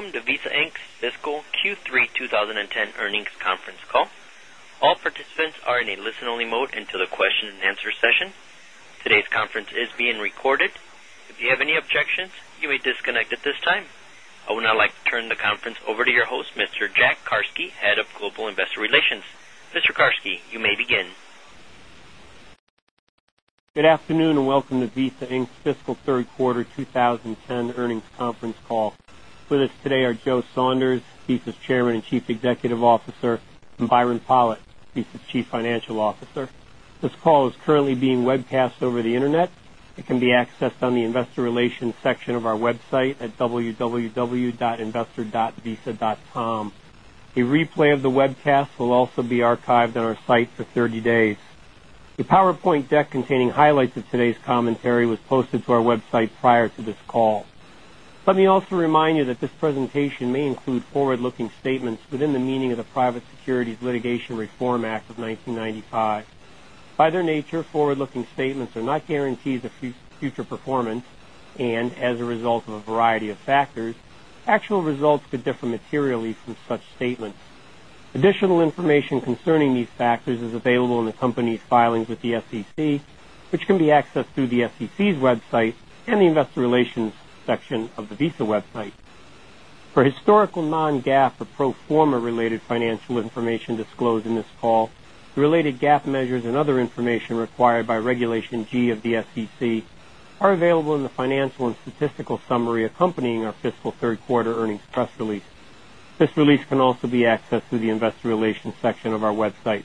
Welcome to Visa Inc. Fiscal Q3 20 10 Earnings Conference Call. Today's conference is being recorded. If you have any objections, you may disconnect at this I would now like to turn the conference over to your host, Mr. Jack Karski, Head of Global Investor Relations. Mr. Karski, you may begin. Good afternoon, and welcome to Visa Inc. Fiscal 3rd quarter 20 10 earnings conference call. With us today are Joe call on behalf of Aetna's Chairman and Chief Executive Officer and Byron Pollitt, Aetna's Chief Financial Officer. This call is currently being webcast over the Internet. Can be accessed on the Investor Relations section of our website at www.investor.visa.com. A replay of the webcast will also be archived on our site for 30 days. A PowerPoint deck containing highlights of today's Let me also remind you that this presentation may include forward looking statements As a result of a variety of factors, actual results could differ materially from such statements. Additional information concerning these factors is available in the company's filings with the SEC, which can be accessed through the SEC's website and the Investor Relations section of the Visa website. For historical non GAAP or pro form a related financial information disclosed in this call, the related GAAP measures and other information required by Regulation G of the SEC are available in the financial and statistical summary accompanying our fiscal Q3 earnings This release can also be accessed through the Investor Relations section of our website.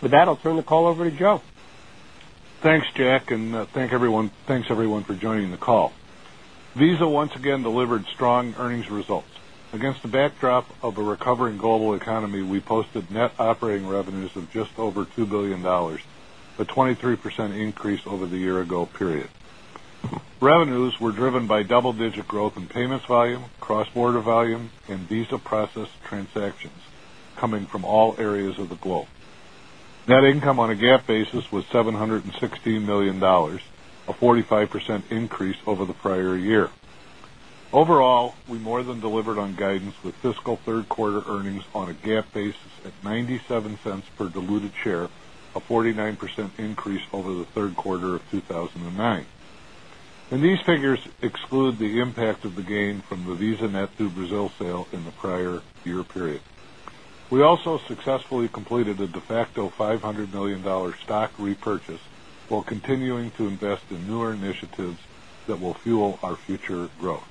With that, I'll turn the call over to Joe. Thanks, Jack, and thanks everyone for joining the call. Visa once again delivered strong earnings results. Against the backdrop of a recovering global economy, we posted net operating revenues of just over $2,000,000,000 a 20 3% increase over the year ago period. Revenues were driven by double digit growth in payments volume, cross border volume And Visa process transactions coming from all areas of the globe. Net income on a GAAP basis was 7.60 $1,000,000 a 45% increase over the prior year. Overall, we more than delivered on guidance with fiscal 3rd quarter earnings on a GAAP are in the range of $100,000,000 stock repurchase, while continuing to invest in newer initiatives that will fuel our future growth.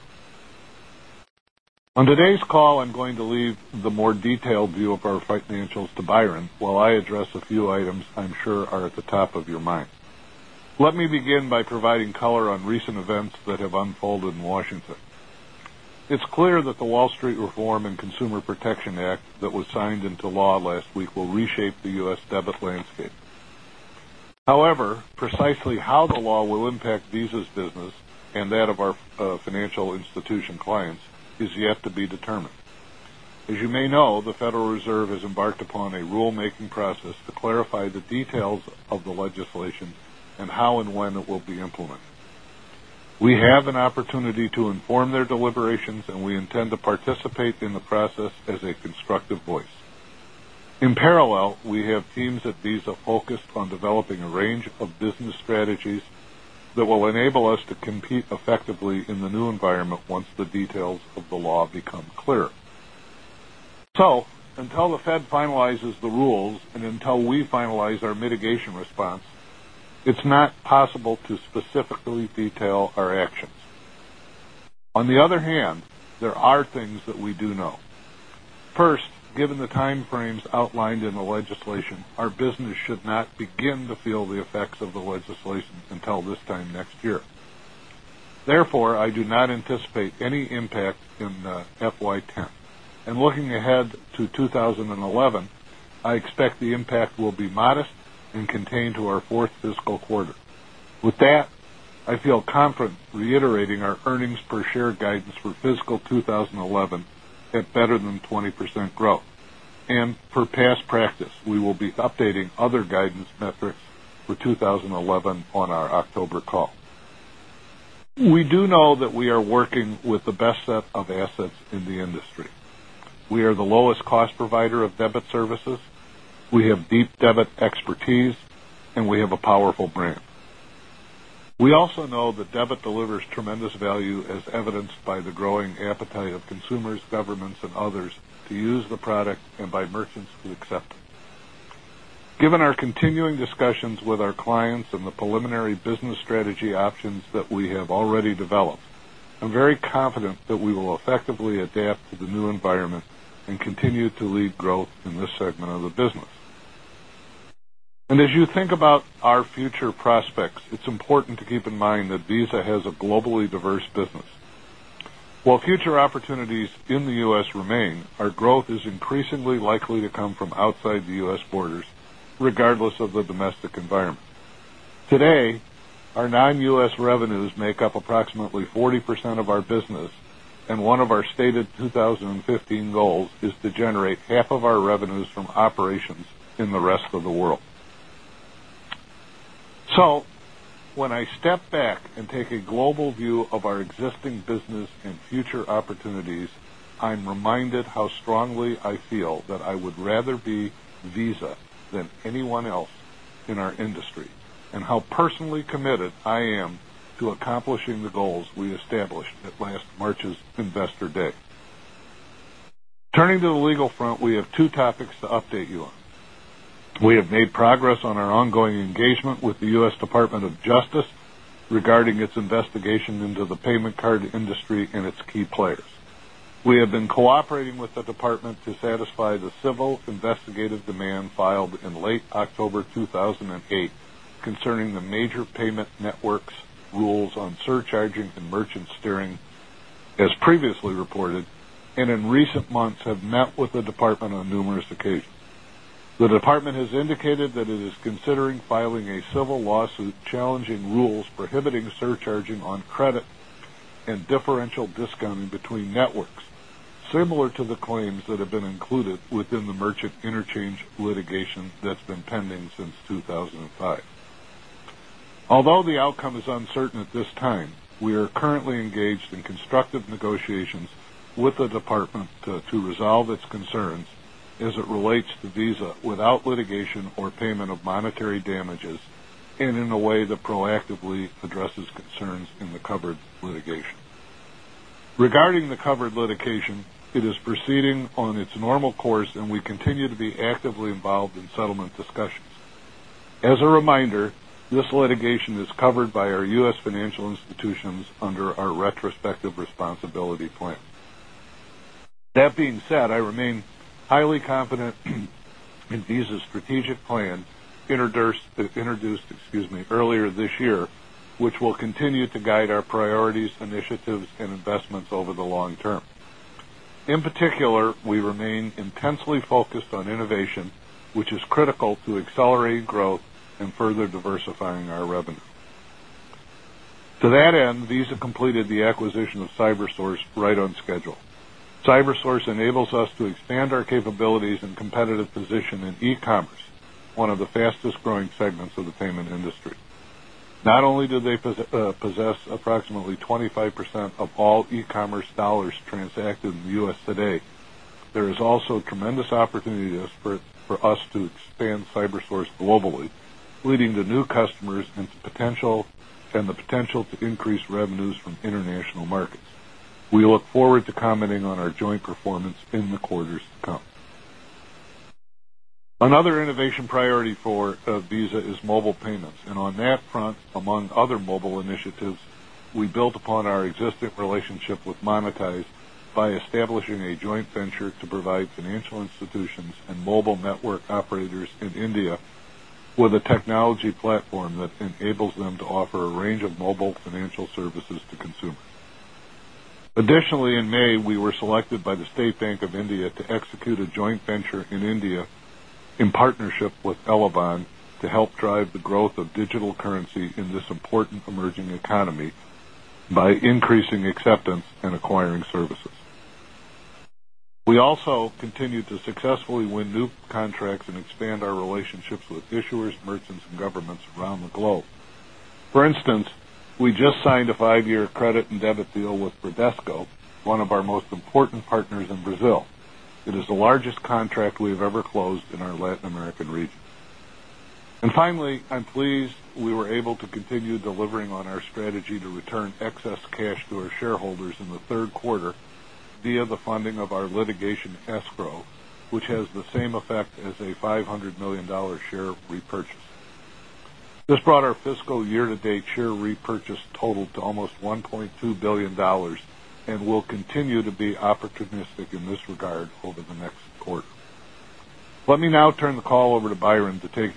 On today's call, I'm going to leave the more detailed view of our financials to Byron, while I address a few items I'm sure are at the top of your mind. Let me begin by providing color on recent events that have unfolded in Washington. It's clear that the Wall Street Reform and Consumer Protection Act that was signed into law last week will reshape the U. S. Debit landscape. However, precisely how the law will impact Visa's business and that of our financial institution clients is yet to be determined. As you may know, the Federal Reserve has embarked upon a rule making process to verify the details of the legislation and how and when it will be implemented. We have an opportunity to inform and strategies that will enable us to compete effectively in the new environment once the details of the law become clear. So until the Fed finalizes the rules and until we finalize our mitigation response, it's not possible to In the timeframes outlined in the legislation, our business should not begin to feel the effects of the legislation until this time next year. Therefore, I do not anticipate any impact in the FY 'ten. And looking ahead to 2011, I expect the impact will will be modest and contained to our 4th fiscal quarter. With that, I feel confident reiterating our earnings per share guidance for fiscal 2011 Better than 20% growth. And for past practice, we will be updating other guidance metrics for 2011 on our October call. We do know that we are working with the best set of assets in the industry. We are the lowest cost provider of debit services. We have deep Debit expertise and we have a powerful brand. We also know that Debit delivers tremendous value As evidenced by the growing appetite of consumers, governments and others to use the product and by merchants who accept it. Given our continuing discussions with our clients and the preliminary business strategy options that we have already developed, I'm very confident We will effectively adapt to the new environment and continue to lead growth in this segment of the business. And as you think about In the U. S. Remain, our growth is increasingly likely to come from outside the U. S. Borders regardless of the domestic environment. Today, Our non U. S. Revenues make up approximately 40% of our business and one of our stated 2015 goals is to generate half of our revenues from operations in the rest of the world. So when I step back And take a global view of our existing business and future opportunities, I'm reminded how strongly I feel that I would rather be Visa are being published at last March's Investor Day. Turning to the legal front, we have 2 topics to update you on. We have made progress on our are ongoing engagement with the U. S. Department of Justice regarding its investigation into the payment card industry and its key players. We have been cooperating with the to satisfy the civil investigative demand filed in late October 2008 concerning the major payment The department has indicated that it is considering filing a civil lawsuit challenging rules prohibiting surcharging on credit and Differential discounting between networks similar to the claims that have been included within the merchant interchange litigation that's litigation or payment of monetary damages and in a way that proactively addresses concerns in the covered litigation. Regarding the covered litigation, it is proceeding on its normal course and we continue to be actively are involved in settlement discussions. As a reminder, this litigation is covered by our U. S. Financial Institutions are under our retrospective responsibility plan. That being said, I remain highly confident in Visa's strategic plan introduced, excuse me, earlier this year, In particular, we remain intensely focused on innovation, which is critical to accelerating growth To that end, Visa completed the acquisition of CyberSource are right on schedule. CyberSource enables us to expand our capabilities and competitive position in e commerce, one of the fastest growing segments of the payment There is also tremendous opportunity for us to expand CyberSource globally, leading to new customers Another innovation priority for Visa is mobile payments. And on that front, among other mobile initiatives, we built Additionally, in May, we were selected by the State Bank of India to execute a joint venture in India in partnership with Elavon to help drive the growth of digital currency in this important emerging economy by increasing acceptance We also continue to successfully win new contracts and expand our relationships with issuers, merchants and governments around the globe. For instance, we just signed a 5 year credit and debit deal with Bradesco, one of our most important partners in Brazil. It is the largest contract we have ever closed in our Latin American region. And finally, I'm pleased we were able to continue delivering on our strategy to return excess are in the Q3, via the funding of our litigation escrow, which has the same effect as a $500,000,000 share This brought our fiscal year to date share repurchase totaled to almost $1,200,000,000 and we'll continue to be opportunistic in this regard over the next quarter. Let me now turn the call over to Byron to take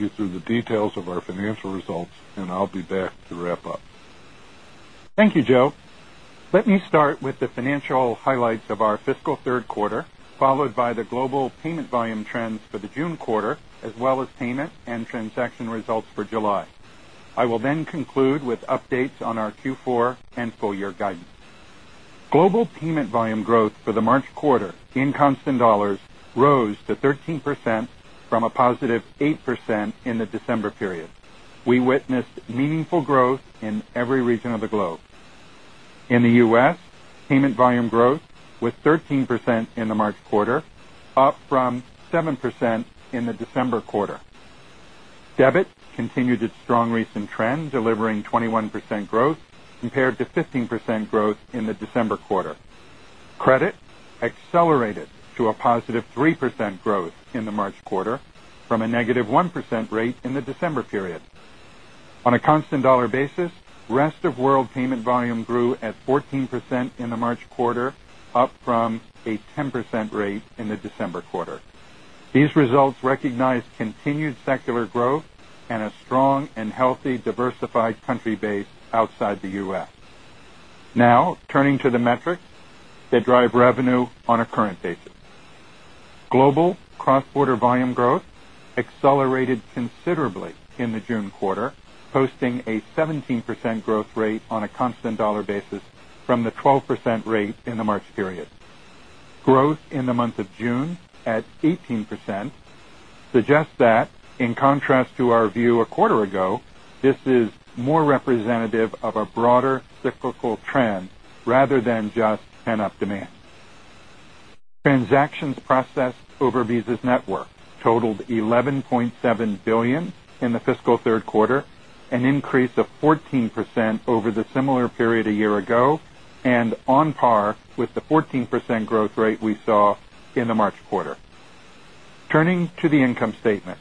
I will then conclude with updates on our Q4 and full year guidance. Global payment volume growth for the March quarter In constant dollars rose to 13% from a positive 8% in the December period. We witnessed meaningful growth In every region of the globe. In the U. S, payment volume growth was 13% in the March quarter, up from 7% in the December quarter. Debit continued its strong recent trend delivering 21% growth compared to 15% growth in the December quarter. Credit accelerated to a positive 3% growth in the March are in the quarter from a negative 1% rate in the December period. On a constant dollar basis, rest of world payment volume grew at 14% in the March quarter, are up from a 10% rate in the December quarter. These results recognize continued secular growth posting a 17% growth rate on a constant dollar basis from the 12% rate in the March period. Growth in the month of June totaled $11,700,000,000 in the fiscal third quarter, an increase of 14% over the similar period a year ago and are on par with the 14% growth rate we saw in the March quarter. Turning to the income statement.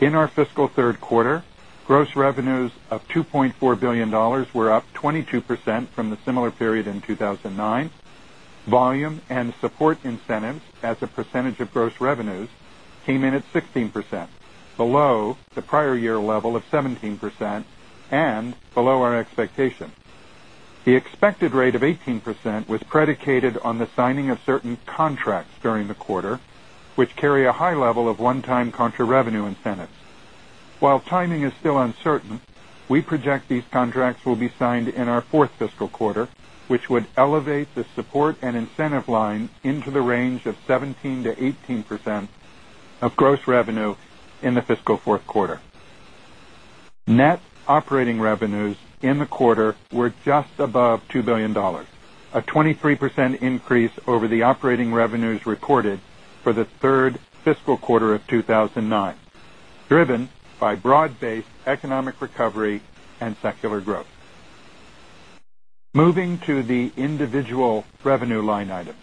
In our fiscal third quarter, Gross revenues of $2,400,000,000 were up 22% from the similar period in 2,009. Volume and support incentives as a percentage of gross revenues came in at 16%, below the prior year level of 17% and below our expectation. The expected rate of 18% was predicated on the signing of certain contracts during the quarter, which carry a high level of one time contra revenue incentives. While timing is still uncertain, we project these contracts will be signed in 4th fiscal quarter, which would elevate the support and incentive lines into the range of 17% to 18% of gross revenue Net operating revenues in the quarter were just above $2,000,000,000 A 23% increase over the operating revenues recorded for the 3rd fiscal quarter of 2,009, revenue line items.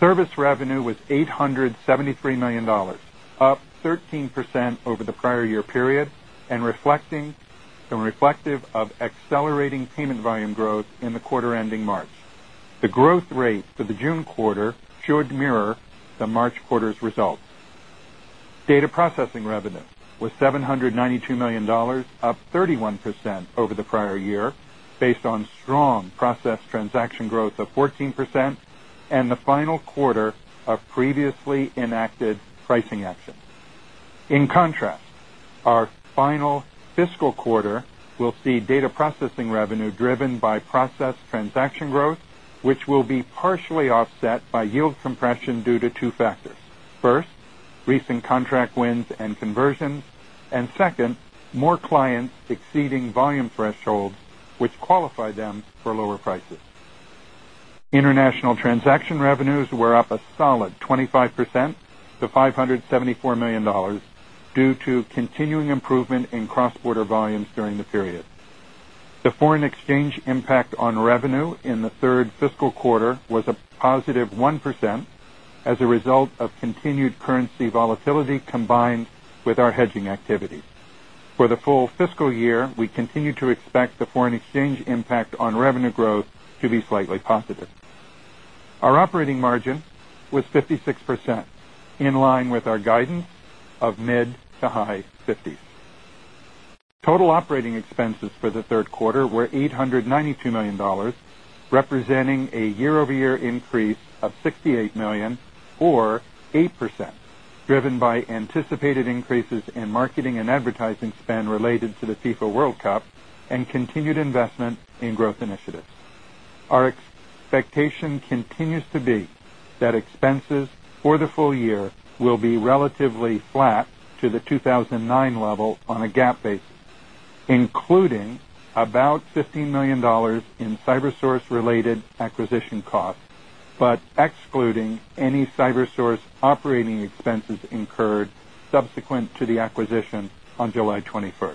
Service revenue was $873,000,000 up 13% over the prior year period and reflecting Reflective of accelerating payment volume growth in the quarter ending March. The growth rate for the June quarter should mirror the March quarter's results. Data processing revenue was $792,000,000 up 31% over the prior year based on strong process transaction growth of 14% and the final quarter of previously enacted pricing actions. In contrast, our final fiscal quarter will see data processing revenue driven by process transaction growth, which will be partially offset by yield compression due to 2 factors. 1st, recent contract wins and conversions And second, more clients exceeding volume thresholds, which qualify them for lower prices. International transaction revenues were up a solid 25 percent to $574,000,000 due to continuing improvement in cross border are in the range of 1% as a result of continued currency volatility combined with our hedging activities. For the full fiscal We continue to expect the foreign exchange impact on revenue growth to be slightly positive. Our operating margin was are 50 6%, in line with our guidance of mid to high 50s. Total operating expenses for the 3rd were $892,000,000 representing a year over year increase of $68,000,000 or 8% driven Including about $15,000,000 in CyberSource related acquisition costs, but Excluding any CyberSource operating expenses incurred subsequent to the acquisition on July 21.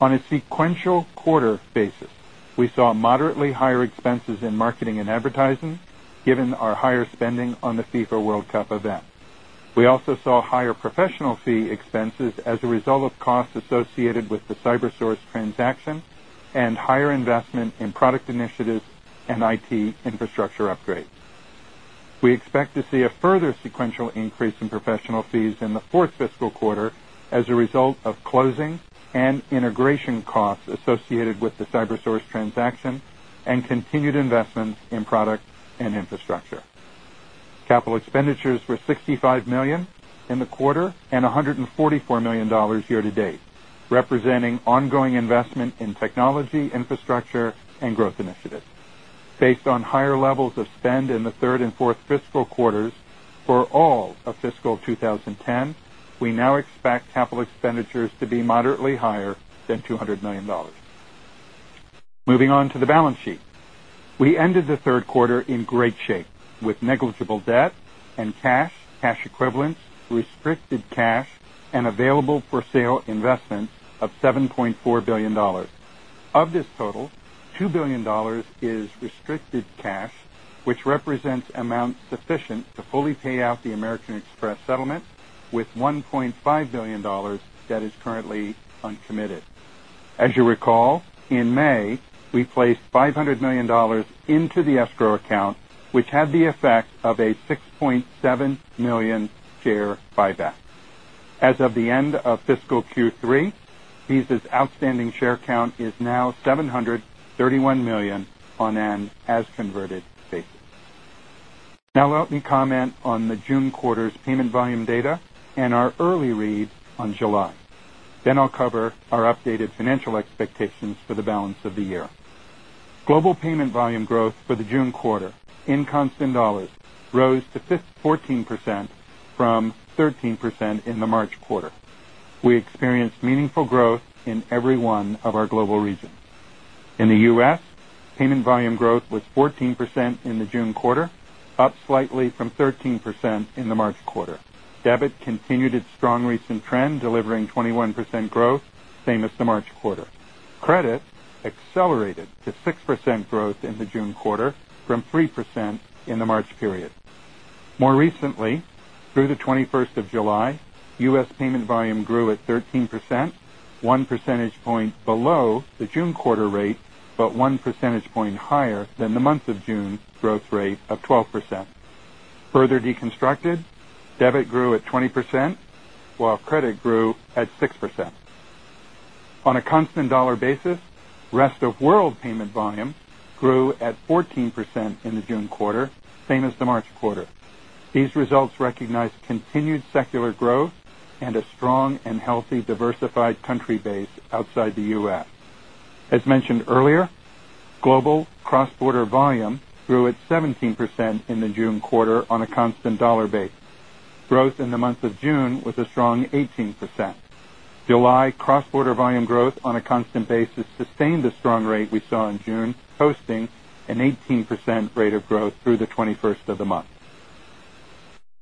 On a sequential quarter basis, we saw moderately higher expenses in marketing and advertising given our higher spending on the FIFA World Cup event. We also saw higher professional fee expenses as a result of costs associated with the CyberSource transaction and higher investment in product initiatives We expect to see a further sequential increase in professional fees in the 4th fiscal quarter as a result of closing and integration costs associated with the CyberSource transaction and continued investments in product and infrastructure. Capital expenditures were $65,000,000 in the quarter and $144,000,000 year to date, representing on For all of fiscal 2010, we now expect capital expenditures to be moderately higher than $200,000,000 Moving on to the balance sheet. We ended the 3rd quarter in great shape with negligible debt and cash, cash equivalents, restricted Cash and available for sale investments of $7,400,000,000 Of this total, dollars 2,000,000,000 is restricted cash, As you recall, in May, we placed $500,000,000 into the escrow account, which had the effect of a 6.7 As of the end of fiscal Q3, Visa's outstanding share count is now 731,000,000 Now let me comment on the June quarter's payment volume data and our early read on July. Then I'll cover our updated financial expectations for the balance of the year. Global payment volume growth for the June quarter in constant dollars rose to 14% from 13% in the March quarter. We experienced meaningful growth In every one of our global regions. In the U. S, payment volume growth was 14% in the June quarter, up slightly from 13% in Debit continued its strong recent trend delivering 21% growth same as the March quarter. Credit accelerated to 6% growth in the June quarter from 3% in the March period. More recently, Through the 21st July, U. S. Payment volume grew at 13%, 1 percentage point below Debit grew at 20%, while credit grew at 6%. On a constant dollar basis, rest of world payment volume grew at 14% in the June quarter, same as the March quarter. These results recognize continued secular growth and a strong and healthy diversified country base outside the U. S. As mentioned earlier, identified country base outside the U. S. As mentioned earlier, global cross border volume grew at 17% in the June quarter on a constant dollar basis. Growth in the month of June was a strong 18%. July cross border volume growth on a constant basis sustained the strong rate we saw in June, posting an 18% rate of growth through the 21st of the month.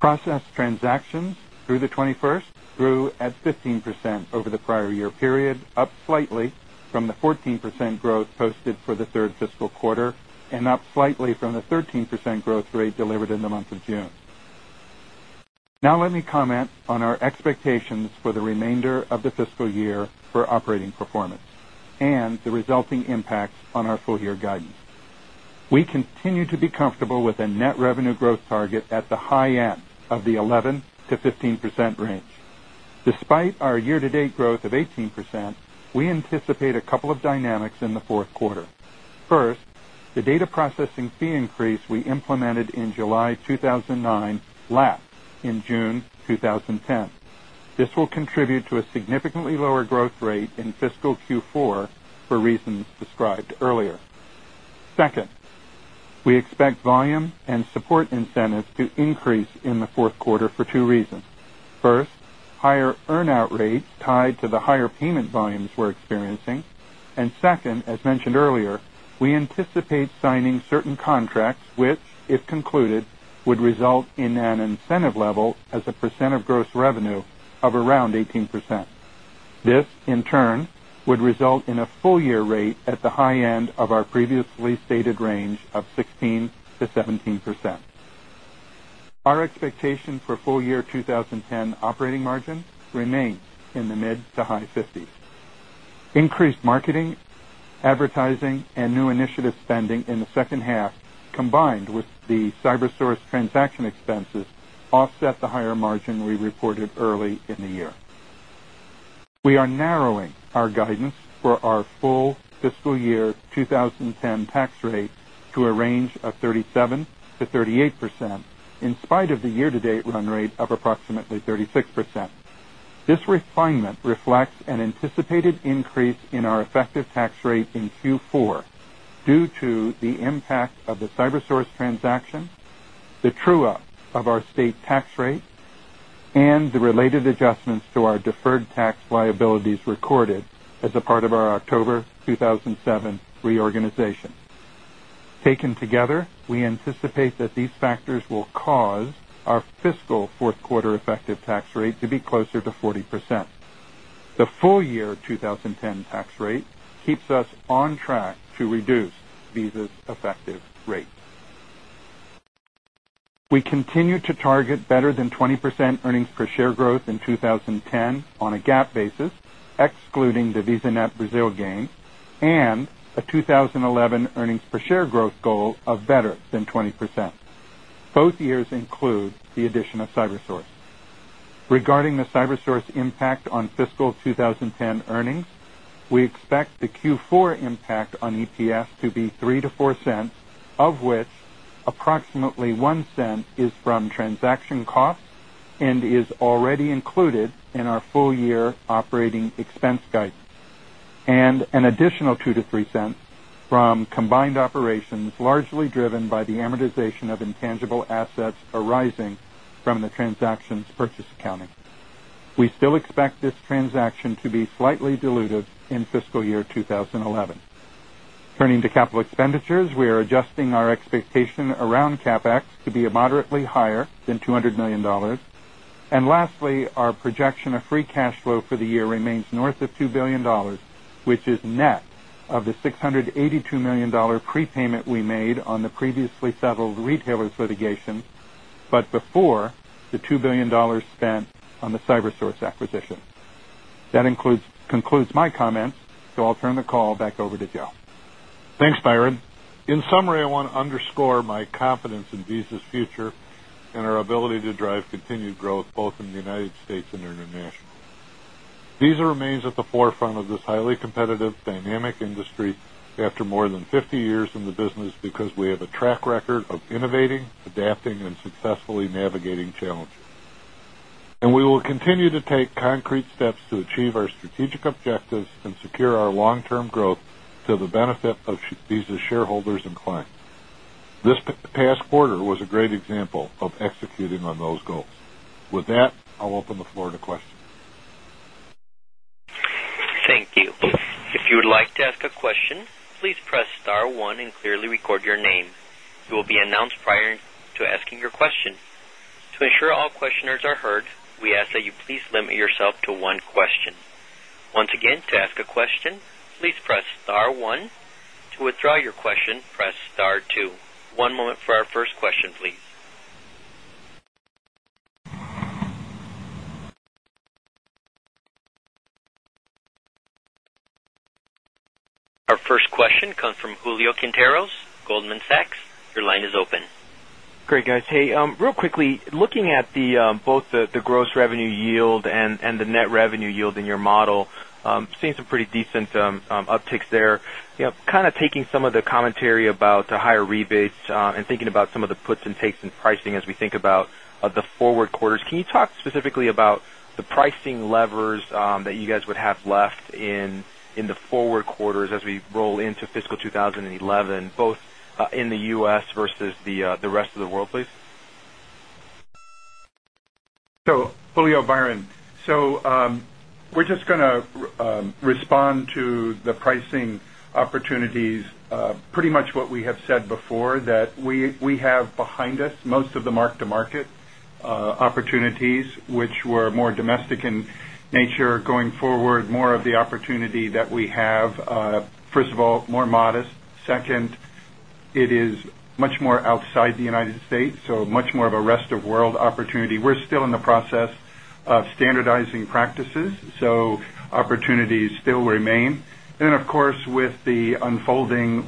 Process transactions through the 21st actions through the 21st grew at 15% over the prior year period, up slightly from the 14% growth posted for the 3rd fiscal full year for operating performance and the resulting impacts on our full year guidance. We continue to be comfortable with a net revenue growth target at the high end of the 11% to 15% range. Despite our year to date growth of 18%, we anticipate a couple of dynamics in the 4th quarter. First, the data processing fee increase we implemented in July 2009 lapsed in June This will contribute to a significantly lower growth rate in fiscal Q4 for reasons described earlier. 2nd, we expect volume and support incentives to increase in the 4th quarter for two reasons. 1st, higher earn out rates tied to the higher payment volumes we're experiencing. And second, as mentioned earlier, we anticipate signing certain contracts, which if concluded would for full year 2010 operating margin remains in the mid to high 50s. Increased marketing, Advertising and new initiative spending in the second half combined with the CyberSource transaction Fiscal year 20 10 tax rate to a range of 37% to 38% in spite of the year to date run rate of approximately 36%. The true up of our state tax rate and the related adjustments to our deferred tax liabilities recorded As a part of our October 2007 reorganization. Taken together, we anticipate that these factors will Our fiscal 4th quarter effective tax rate to be closer to 40%. The full year 2010 tax rate keeps us on track We continue to target better than 20% earnings per share growth in 2010 On a GAAP basis, excluding the VisaNet Brazil gain and a 2011 earnings per share growth goal of better than 20%. Both years include the addition of CyberSource. Regarding the CyberSource impact on fiscal 2010 earnings, We expect the Q4 impact on EPS to be 0 point 0 $3 to 0 point 0 $4 of which approximately $0.01 is from transaction costs and is already included in our full year operating expense guidance and an additional $0.02 to $0.03 from combined operations largely driven by the amortization of intangible assets arising from the transaction's purchase accounting. We still expect this transaction to be slightly dilutive in fiscal year 2011. Turning to capital expenditures, we are adjusting our expectation around CapEx to be moderately higher than $200,000,000 And lastly, our projection of free cash flow for the year remains north of $2,000,000,000 Which is net of the $682,000,000 prepayment we made on the previously settled retailer's litigation, but before The $2,000,000,000 spent on the CyberSource acquisition. That concludes my comments. So I'll turn the call back over to Joe. Thanks, Byron. In summary, I want to underscore my confidence in Visa's future and our ability to drive continued growth both in the United States and internationally. Visa remains at the forefront of this highly competitive dynamic industry after more than 50 years in the business because we have a track record of innovating, are adapting and successfully navigating challenges. And we will continue to take concrete steps to achieve our strategic are very comfortable executing on those goals. With that, I'll open the floor to questions. Thank Our first question comes from Julio Quinteros, Goldman Sachs. Your line is open. Great, guys. Hey, real quickly, looking at Both the gross revenue yield and the net revenue yield in your model, seeing some pretty decent upticks there. Kind of taking some of the commentary are talking about the higher rebates and thinking about some of the puts and takes in pricing as we think about the forward quarters. Can you talk specifically The pricing levers that you guys would have left in the forward quarters as we roll into fiscal 2011 both in the U. S. Versus on to the pricing opportunities, pretty much what we have said before that we have behind Holding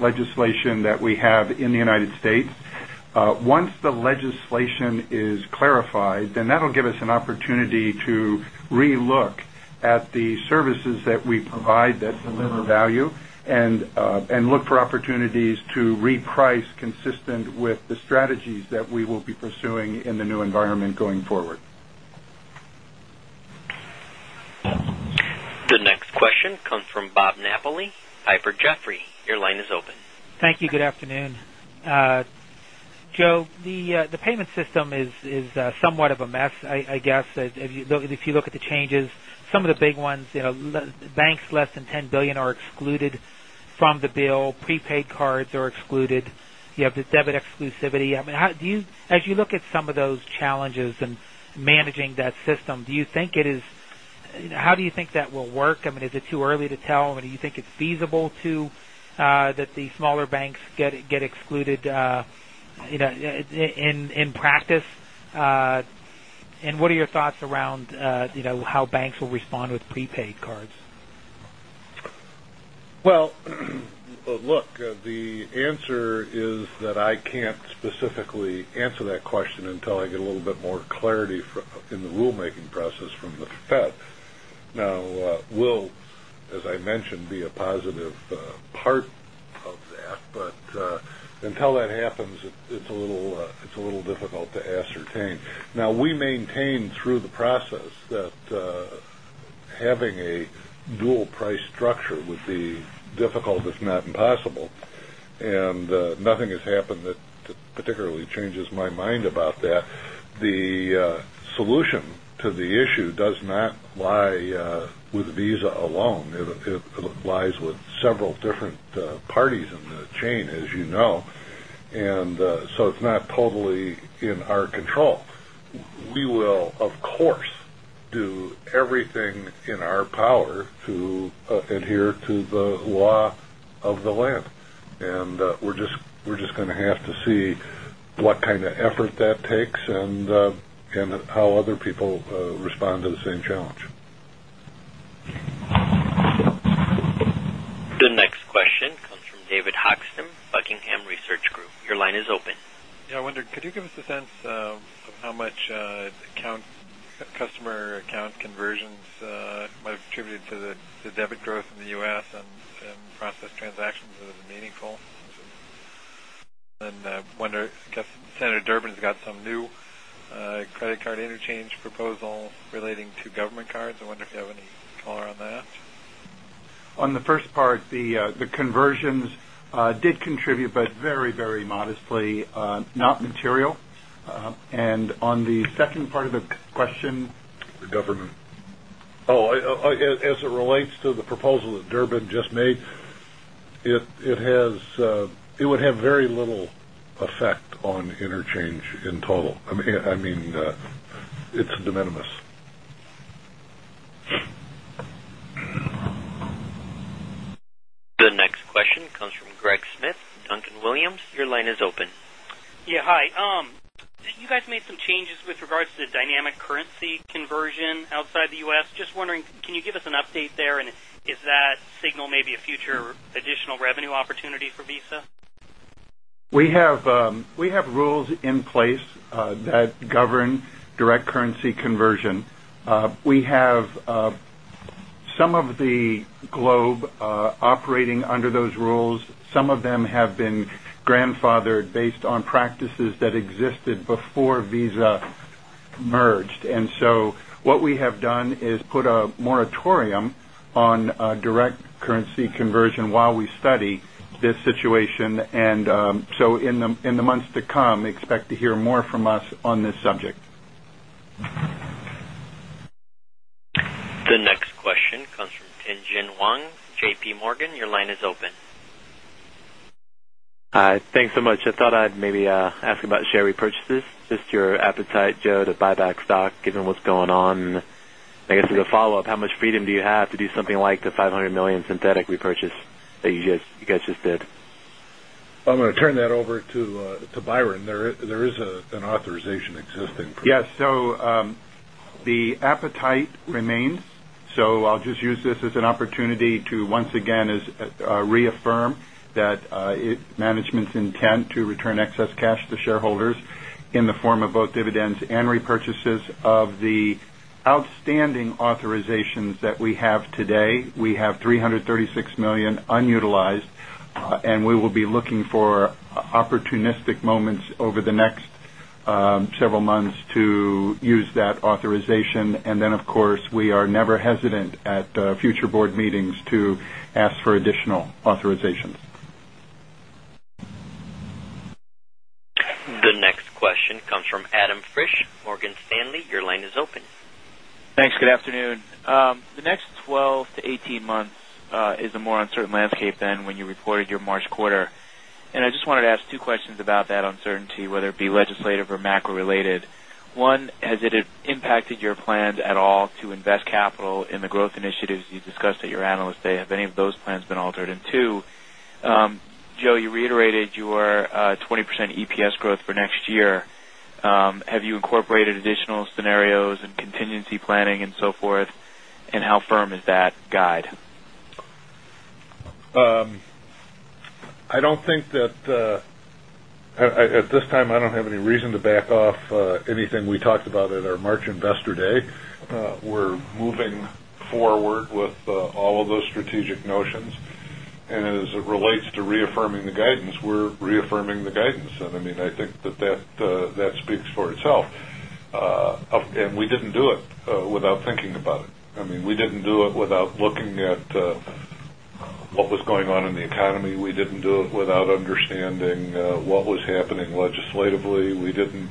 legislation that we have in the United States. Once the legislation is clarified, then that will give us an opportunity The next question comes from Bob Napoli, Piper Jaffray. Your line is open. Thank you. Good afternoon. Joe, the payment system is somewhat of a mess, I guess. If you look at the changes, some of the big ones, banks less than $10,000,000,000 are excluded from the bill, prepaid cards are excluded, you have the debit exclusivity. I mean, how do you as you look at some of those challenges and managing that system, do you think it is how do you think that will work? I mean, is it too early to tell? I mean, do you think it's feasible to That the smaller banks get excluded in practice. And what are your thoughts around How banks will respond with prepaid cards? Well, look, the answer is that I can't specifically answer that question until I get a little bit more clarity in the rulemaking process from the Fed. Now As I mentioned, be a positive part of that, but until that happens, it's a little difficult to the issue does not lie with Visa alone. It lies with several different parties in the chain, as you know. And so it's not totally in our control. We will, of course, do Everything in our power to adhere to the law of the land. And we're just going have to see what kind of effort that takes and how other people respond to the same challenge. The next question comes from David Hoxton, Buckingham Research Group. Your line is open. Yes, I wonder could you give us a sense How much account customer account conversions might have attributed to the debit growth in the U. S. And process transactions card interchange proposals relating to government cards. I wonder if you have any color on that? On the first part, the The second part of the question? The government. As it relates to the proposal that Durbin just made, It has it would have very little effect on interchange in total. I mean, You guys made some changes with regards to the dynamic currency inversion outside the U. S. Just wondering, can you give us an update there and is that signal maybe a future additional revenue opportunity We have rules in place that govern direct currency conversion. We have Some of the globe operating under those rules, some of them have been grandfathered based on practices on direct currency conversion while we study this situation. And so in the months to come, expect to hear more from us on this are open. Hi, thanks so much. I thought I'd maybe ask about share repurchases, just your appetite, Joe, to buy back stock given what's going on. I guess as a follow-up, how much freedom do you have to do something like the $500,000,000 synthetic Yes. So the appetite remains. So I'll just use this as an opportunity to once again reaffirm that management's intent to return excess cash to shareholders in the form of both dividends and purchases of the outstanding authorizations that we have today, we have $336,000,000 unutilized and we will be looking for opportunistic moments over the next several months to use that authorization. And then, of course, we are never hesitant at are from Adam Friesch, Morgan Stanley. Your line is open. Thanks. Good afternoon. The next 12 to 18 months is a more uncertain And I just wanted to ask 2 questions about that uncertainty, whether it be legislative or macro related. One, has it impacted your plans rated your 20% EPS growth for next year. Have you incorporated additional scenarios and contingency planning and And how firm is that guide? I don't think that at This time, I don't have any reason to back off anything we talked about at our March Investor Day. We're moving forward are in the range of 2,000,000,000. And as it relates to reaffirming the guidance, we're reaffirming the guidance. And I mean, I think that that speaks for And we didn't do it without thinking about it. I mean, we didn't do it without looking at What was going on in the economy, we didn't do it without understanding what was happening legislatively. We didn't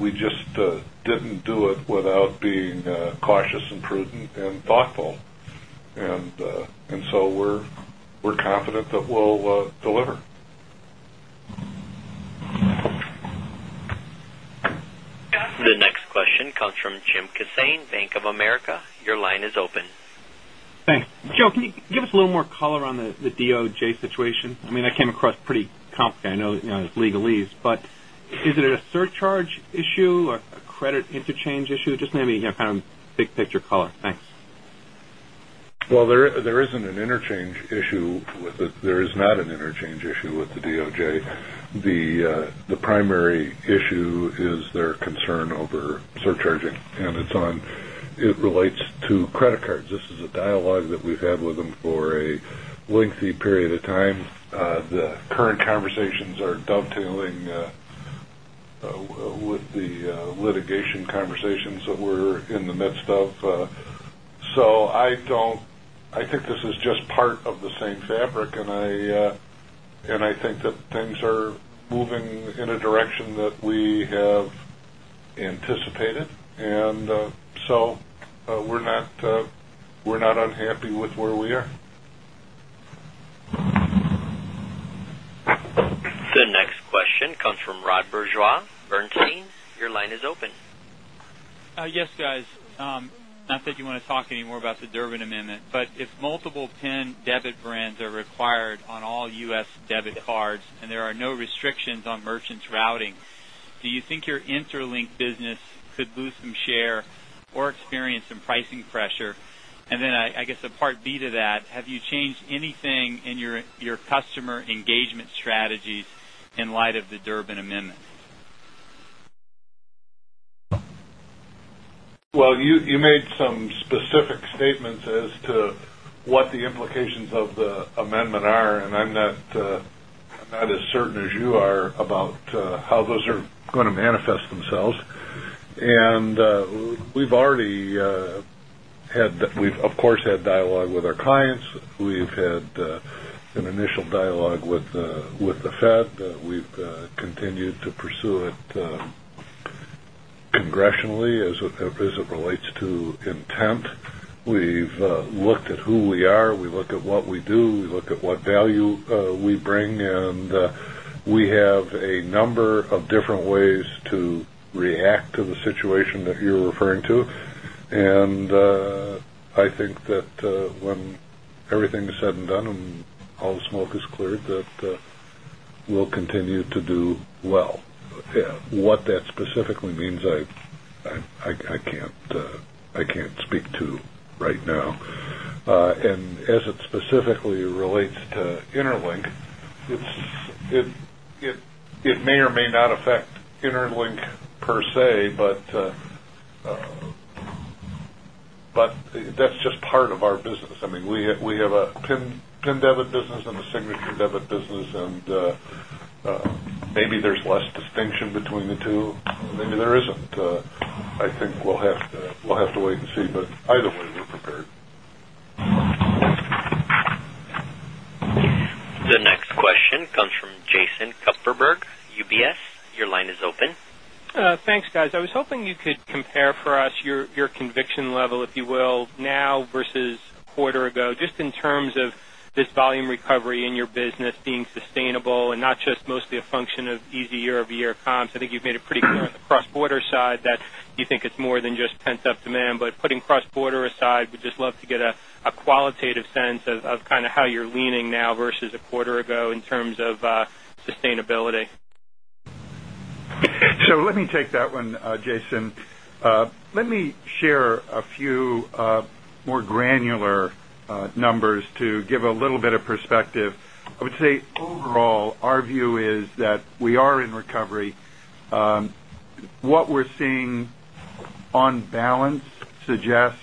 We just didn't do it without being cautious and prudent and thoughtful. And so we're confident The next question I mean, that came across pretty comp. I know it's legalese, but is it a surcharge issue or a credit interchange issue? Just maybe kind of big Well, there isn't an interchange issue with the there is not an interchange issue with the DOJ. The primary issue is their concern over surcharging and it's on it relates to Credit cards, this is a dialogue that we've had with them for a lengthy period of time. The current conversations are dovetailing With the litigation conversations that we're in the midst of. So I I think this is just part of the same fabric and I think that things are moving are in a direction that we have anticipated. And so we're not unhappy with where we The next question comes from Rod Bourgeois, Bernstein, your line is open. Yes, guys. I don't think you want to talk anymore about the Durbin Amendment, but if multiple Or experienced some pricing pressure. And then I guess a part B to that, have you changed anything in your customer engagement strategies in light of the Durbin Amendment. Well, you made some specific statements Congressionally as it relates to intent, we've looked are to the situation that you're referring to. And I think that when everything is said and done and all the smoke is cleared We'll continue to do well. What that specifically means, I can't speak to right now. And as it specifically relates to InterLink, it may I mean, we have a PIN debit business and a signature debit business and maybe there's less distinction between the 2, maybe there isn't. The next question comes from Jason Kupferberg, UBS. Your line is open. Thanks guys. I was hoping you could compare for us your conviction in the quarter, if you will, now versus a quarter ago, just in terms of this volume recovery in your business being sustainable and not just mostly a function of easy year over have a sense of kind of how you're leaning now versus a quarter ago in terms of sustainability? So let me take that one, Jason. Let me share a few more granular numbers to give A little bit of perspective, I would say overall, our view is that we are in recovery. What we're seeing Balance suggests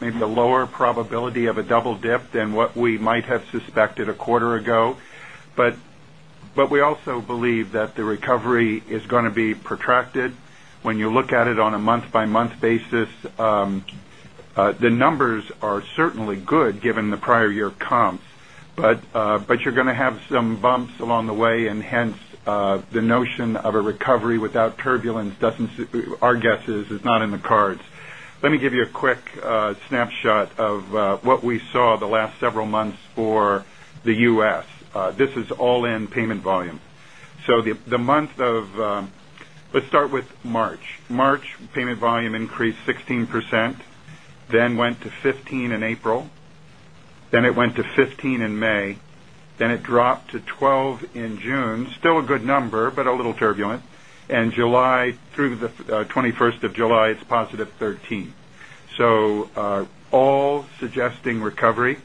maybe a lower probability of a double dip than what we might have suspected a quarter ago. But we also believe that the recovery is going to be protracted. When you look at it on a month by month basis, the numbers are certainly good given the numbers are certainly good given the prior year comps, but you're going to have some bumps along the way and hence the notion of a recovery without turbulence doesn't our guess is not in the cards. Let me give you a quick snapshot of what we saw the last increased 16%, then went to 15% in April, then it went to 15% in May, then it dropped to 12% in June, still Good number, but a little turbulent. And July through 21st July, it's positive 13. So All suggesting recovery,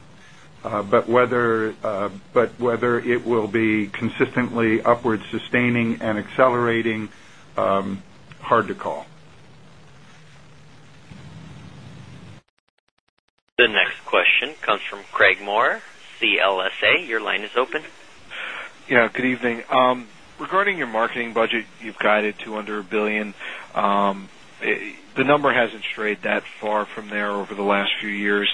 but whether it will be consistently upward sustaining The next question comes from Craig Maurer, CLSA. Your line is open. Yes, good evening. Regarding your marketing budget, you've guided to under $1,000,000,000 The number hasn't strayed that far from there over the last few years.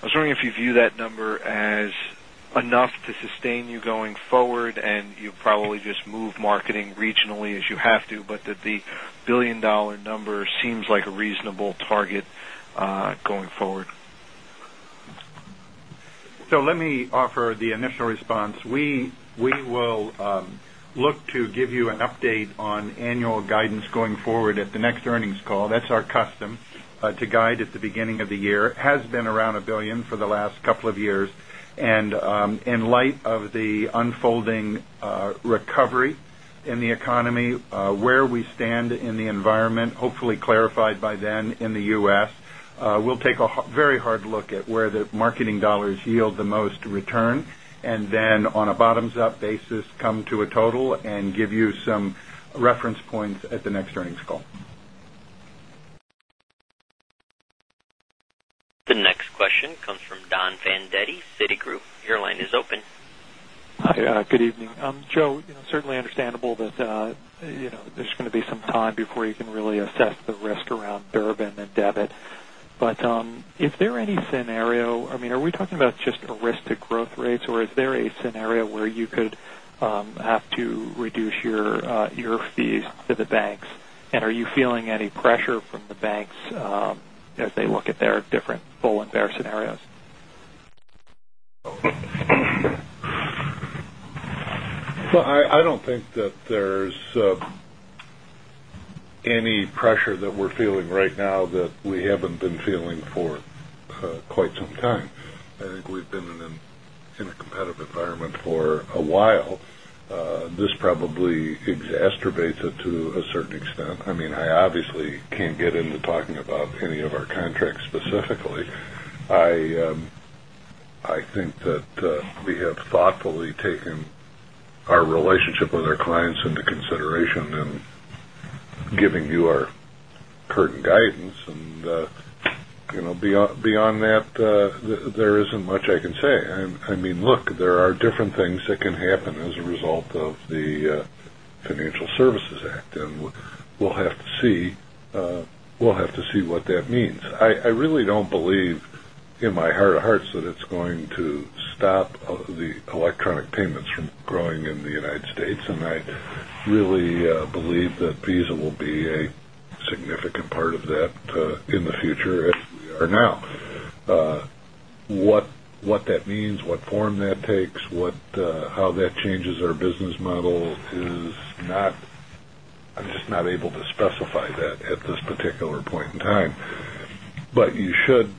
I was wondering if you view that number as We will look to give you an update on annual guidance going forward at the next earnings call. That's our are welcome to guide at the beginning of the year. It has been around $1,000,000,000 for the last couple of years. And in light of the are holding recovery in the economy, where we stand in the environment, hopefully clarified by in the U. S, we'll take a very hard look at where the marketing dollars yield the most return and then on a bottoms up basis come do a total and give you some reference points at the next earnings call. The next question comes from Don Fandetti, Citigroup. Your line is open. Hi, good evening. Joe, certainly understandable that There's going to be some time before you can really assess the risk around Durbin and Debit. But is there any scenario I mean, are we talking about just a risk to growth rates or is there a scenario where you could have to reduce your And are you feeling any pressure from the banks as they look at their different bull and bear scenarios? I don't think that there's any pressure that we're Right now that we haven't been feeling for quite some time. I think we've been in a competitive environment for a while. This probably exacerbates it to a certain extent. I mean, I obviously can't get into talking about any of Our contract specifically, I think that we have thoughtfully taken our relationship with our clients On that, there isn't much I can say. I mean, look, there are different things that can happen as a result of the I believe in my heart of hearts that it's going to stop the electronic payments from growing in the United States. And really believe that Visa will be a significant part of that in the future as we are What that means, what form that takes, what how that changes our business model is not I'm just not able to specify that at this particular point in time. But you should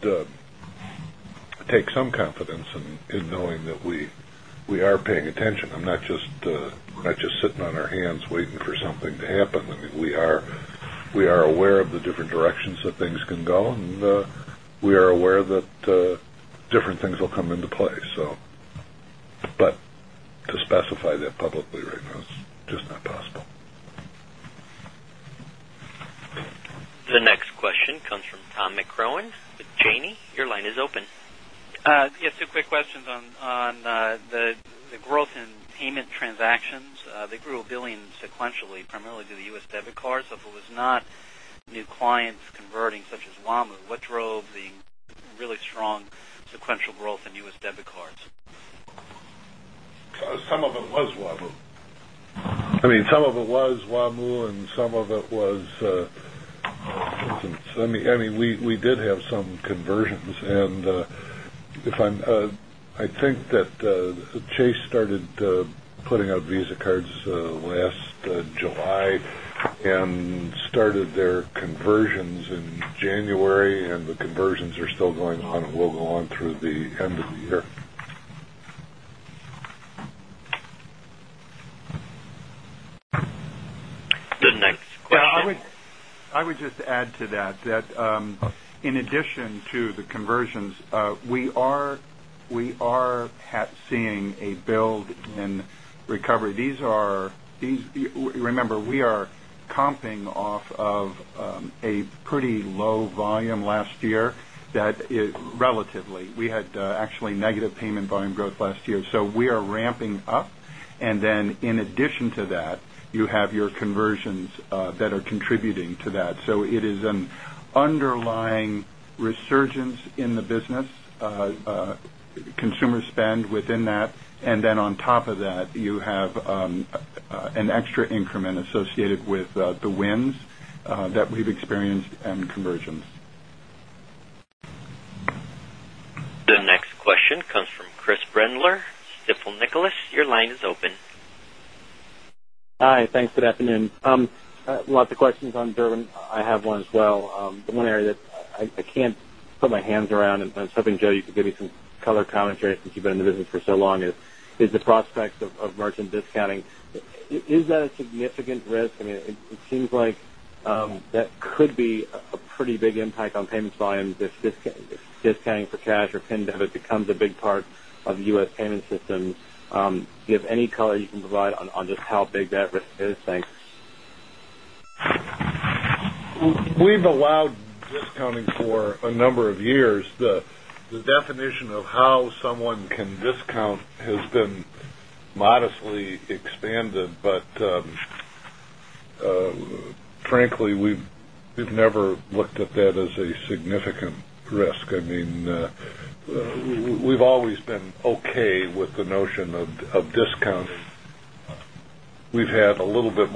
will come into play. So but to specify that publicly right now is just not possible. The next question comes from Tom MacRohan with Janney. Your line is open. Yes. Two quick questions on The growth in payment transactions, they grew $1,000,000,000 sequentially primarily due to the U. S. Debit card. So if it was not I mean, some of it was Wamu and some of it was I mean, we did have some And if I'm I think that Chase started putting out Visa cards last The I would just add to that, that in addition to the conversions, we are seeing are in recovery. These are remember, we are comping off of a pretty Low volume last year that relatively, we had actually negative payment volume growth last year. So we are are ramping up. And then in addition to that, you have your conversions that are contributing to that. So it On top of that, you have an extra increment associated with the wins that we've experienced and conversions. The next question comes from Chris Brendler, Stifel Nicolaus. Your line is open. Hi, thanks. Good Lots of questions on Durbin. I have one as well. The one area that I can't put my hands around and I was hoping Joe you could give me some color You've been in the business for so long is the prospects of merchant discounting, is that a significant risk? I mean, it seems That could be a pretty big impact on payments volumes if discounting for cash or pin debit becomes a big part of U. S. Payment We've allowed discounting for a number of years. The definition of how someone can discount has A significant risk. I mean, we've always been okay with the notion of discounting. We've had a little The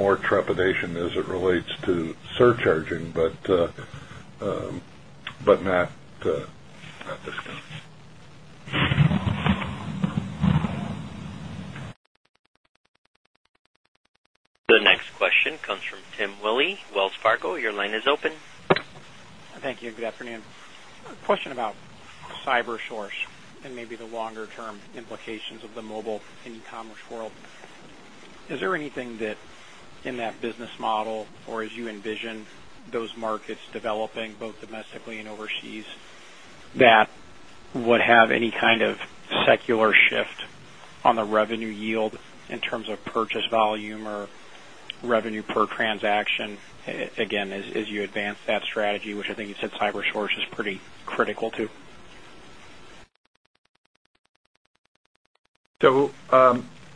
next question comes from Tim Willi, Wells Fargo. Your line is open. Thank you. Good afternoon. A question about CyberSource and maybe the longer term implications of markets developing both domestically and overseas that would have any kind of secular shift on the revenue yield in terms of purchase volume or revenue per transaction, again, as you advance that strategy, which I think you said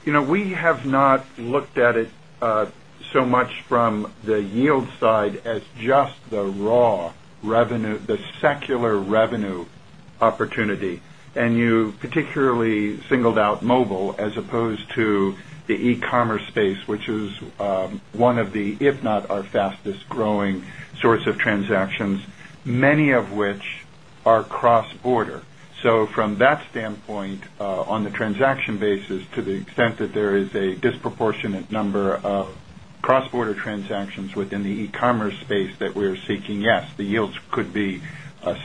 We have not looked at it so much from the yield side as just the raw Which is one of the, if not our fastest growing source of transactions, many of which are cross border. So from that in the e commerce space that we are seeking, yes, the yields could be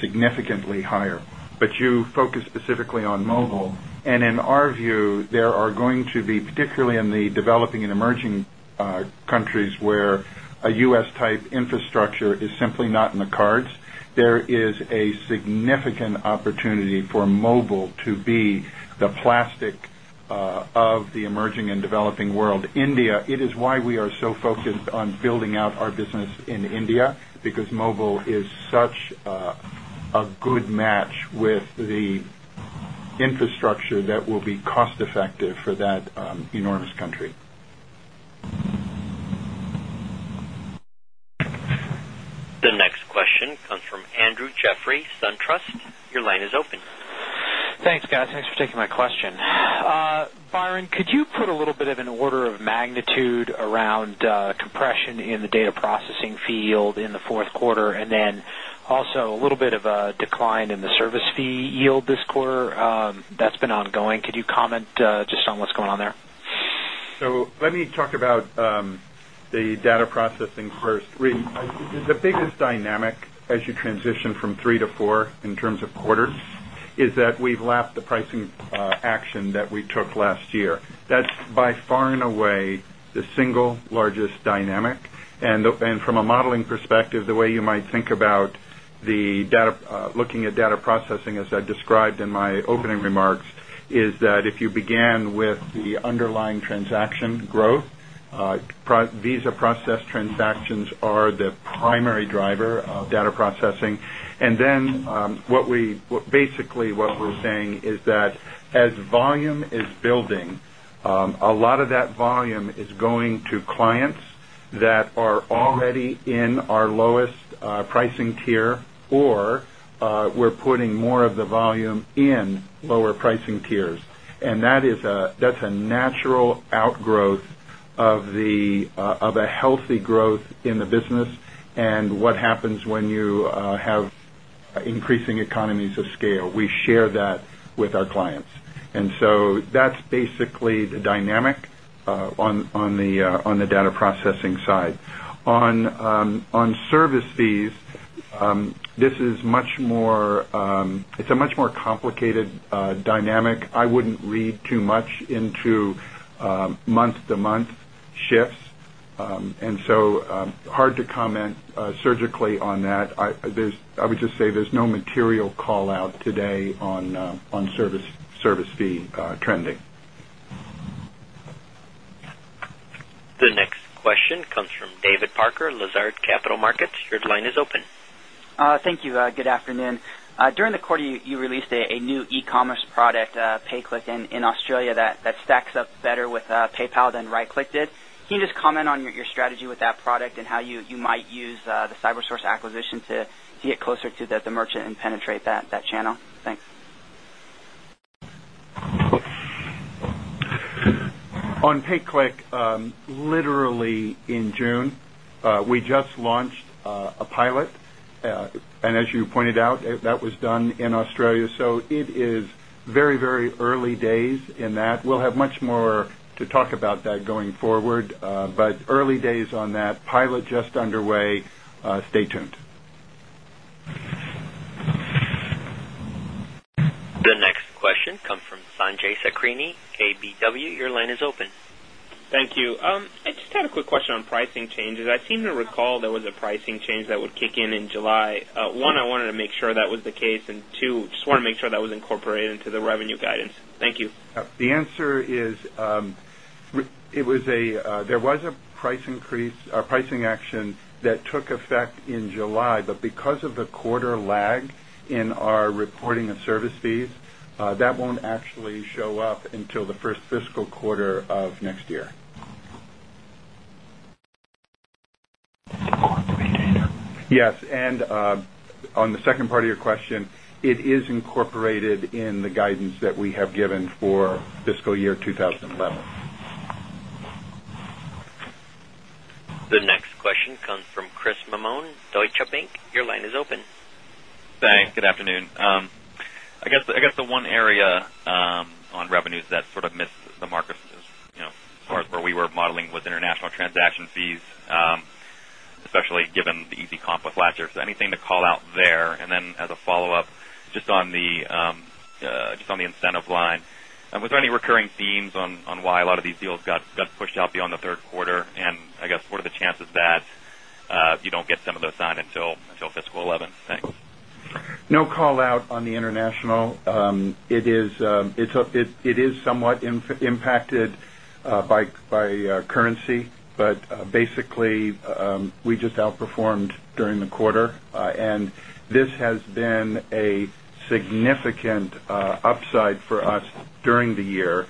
significantly higher. But you focus specifically on mobile. And in our view, there are going to be particularly in the developing and emerging countries where a U. S. Type infrastructure is simply Not in the cards. There is a significant opportunity for mobile to be the plastic of the are in the range of the 2nd quarter. Our first question comes from the line of John Franzreb with Deutsche Bank. Please go ahead. Our first question comes from the line of John Franzreb with Deutsche Bank. Please go ahead. Our first question comes from the line of John Franzreb with Deutsche Bank. Please go ahead. Have a good match with the infrastructure that will be cost effective for that enormous Thanks guys. Thanks for taking my question. Byron, could you put a little bit of an order of The service fee yield this quarter, that's been ongoing. Could you comment just on what's going on there? So, let me talk about The data processing first. The biggest dynamic as you transition from 3 to 4 in terms of And from a modeling perspective, the way you might think about the data looking at data processing, as I described in my opening remarks, is that if is building. A lot of that volume is going to clients that are already in are lowest pricing tier or we're putting more of the volume in lower pricing tiers. And that is a that's The natural outgrowth of the healthy growth in the business and what happens when you who have increasing economies of scale, we share that with our clients. And so that's basically the dynamic It's a more complicated dynamic. I wouldn't read too much into month to month shifts. And so hard to comment Surgically on that. I would just say there's no material call out today on service fee trending. The next question comes from David Parker, Lazard Capital Markets. Your line is open. Thank you. Good afternoon. During the quarter, you released a new e commerce product PayClick in Australia that stacks up better with PayPal than RightClick did. Can you just comment on your strategy with that product and how you might use the CyberSource acquisition to get closer to the merchant and penetrate that channel? Thanks. On PayClick, literally in June, We just launched a pilot. And as you pointed out, that was done in Australia. So it is very, very early are in the early days in that. We'll have much more to talk about that going forward, but early days on that pilot just underway. Stay tuned. The next question comes from Sanjay I just had a quick question on pricing changes. I seem to recall there was a pricing change that would begin in July. 1, I wanted to make sure that was the case and 2, just want to make sure that was incorporated into the revenue guidance. Thank you. The answer is There was a price increase pricing action that took effect in July, but because of the quarter lag in are reporting of service fees. That won't actually show up until the 1st fiscal quarter of next year. Yes. And on the second part of your question, it is incorporated in the guidance that we have Chris Mamone, Deutsche Bank. Your line is open. Thanks. Good afternoon. I guess the one area on revenues that sort of Marcus, as far as where we were modeling with international transaction fees, especially given the easy comp with flat shares, anything to call out there and then as a follow-up just on the incentive line. Was there any recurring themes on why a lot of these deals got pushed out beyond the Q3 and I guess what are the chances that you don't get some of those signed until fiscal 2011? Thanks. No call out on the international. It is somewhat impacted are by currency, but basically, we just outperformed during the quarter. And this has been a Significant upside for us during the year.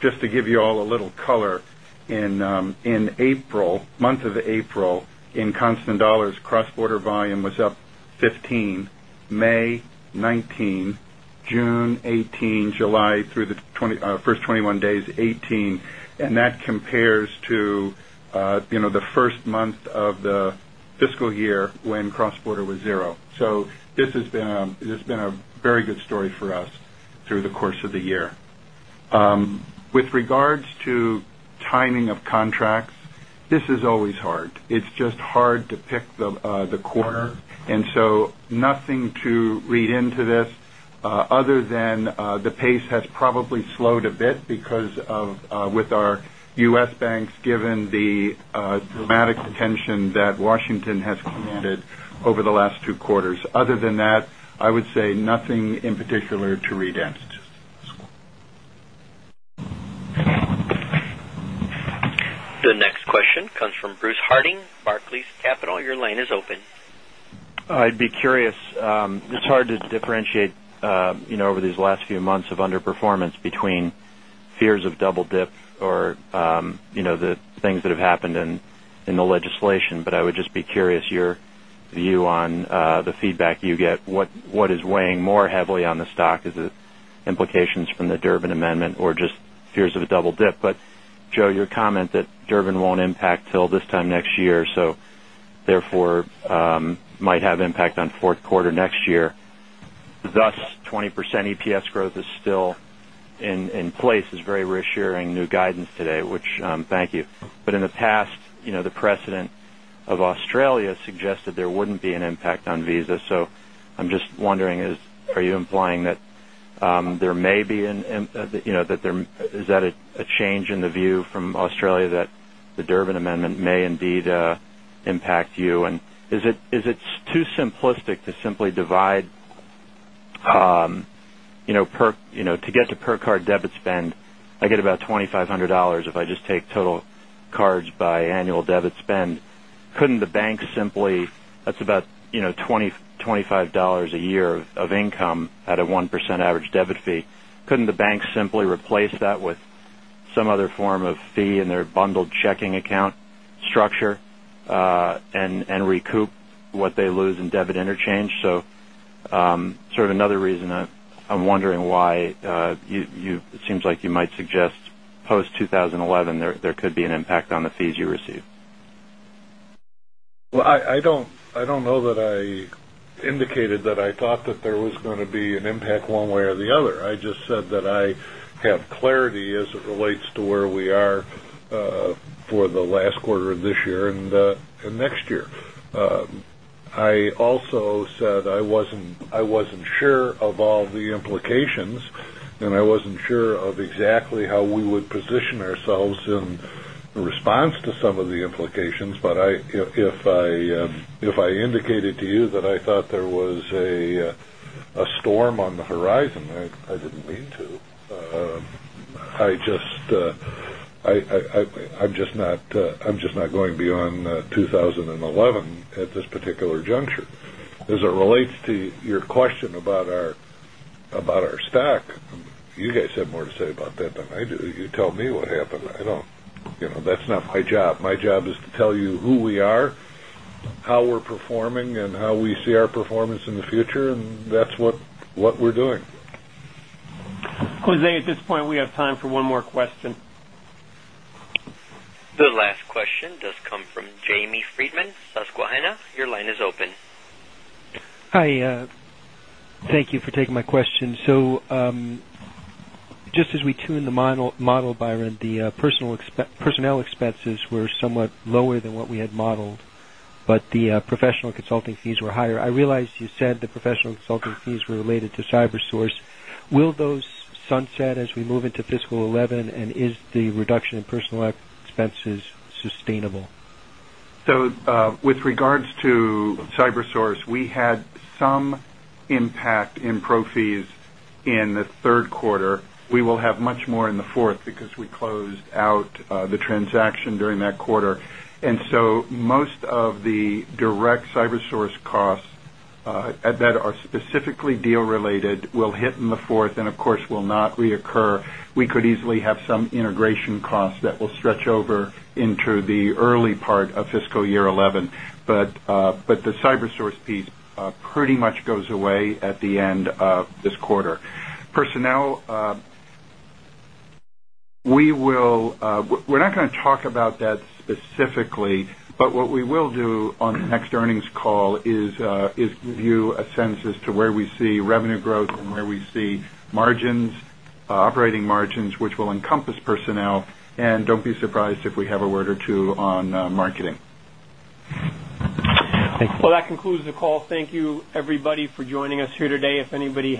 Just to give you all a little color, In April, month of April, in constant dollars, cross border volume was up 15, May 19, June 2018, July through the 1st 21 days 2018 and that compares With regards to timing of contracts, this is always hard. It's just hard to pick the quarter and so nothing to read into this other than the pace has probably slowed a bit because of with our U. S. Banks given the dramatic tension that Washington has commanded did over the last two quarters. Other than that, I would say nothing in particular to read in. The next question comes from Bruce Harding, Barclays Capital. Your line is open. I'd be curious, it's hard to differentiate over these last few months of underperformance between fears of double dip or the things that have happened in the legislation, But I would just be curious your view on the feedback you get, what is weighing more heavily on the stock, is it implications from the Durbin amendment Or just fears of a double dip, but Joe, your comment that Durbin won't impact till this time next year, so therefore, might have impact on Q4 Next year, thus 20% EPS growth is still in place is very reassuring new guidance today, which thank you. But in the past, The precedent of Australia suggested there wouldn't be an impact on Visa. So I'm just wondering, are you implying that there may be Is that a change in the view from Australia that the Durbin amendment may indeed impact you? And Is it too simplistic to simply divide to get to per card debit spend, I get About $2,500 if I just take total cards by annual debit spend, couldn't the bank simply that's about $25 a year of income at a 1% average debit fee, couldn't the bank simply replace that with some other form a fee in their bundled checking account structure and recoup what they lose in debit interchange. So Sort of another reason I'm wondering why you it seems like you might suggest post-twenty 11 there I also said I wasn't sure of all the implications And I wasn't sure of exactly how we would position ourselves in response to some of the implications, but I if I indicated to you that I thought there was a storm on the I'm just not going beyond 2011 at this As it relates to your question about our stock, you guys have more to say about that than I do. You tell me That's not my job. My job is to tell you who we are, how we're performing and how We see our performance in the future and that's what we're doing. Jose, at this point, we have time for one The last question does come from Jamie Friedman, Susquehanna. Hi. Thank you for taking my question. So just as we tune the model Byron, Personnel expenses were somewhat lower than what we had modeled, but the professional consulting fees were higher. I You said the professional consulting fees were related to CyberSource. Will those sunset as we move into fiscal 2011? And is the reduction are in pro fees in the Q3. We will have much more in the 4th because we closed out the transaction during that quarter. And so most of the direct CyberSource costs that are specifically deal related will hit in the 4th and of will not reoccur. We could easily have some integration costs that will stretch over into the early part of fiscal year 2011. But The CyberSource piece pretty much goes away at the end of this quarter. Personnel, we will We're not going to talk about that specifically, but what we will do on the next earnings call is give you a sense as to where we see revenue growth and where we see margins operating margins which will encompass personnel and don't be surprised if Well, that concludes the call. Thank you everybody for joining us here today. If anybody